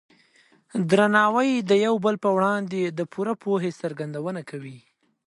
درناوی د یو بل په وړاندې د پوره پوهې څرګندونه ده.